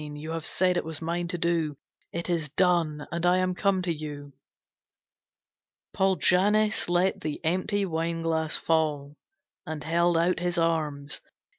You have said it was mine to do. It is done, and I am come to you!" Paul Jannes let the empty wine glass fall, And held out his arms.